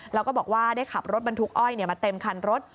แล้วก็บอกว่าได้ขับรถบรรทุกอ้อยมาเต็มคันรถ